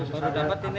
baru baru baru dapat ini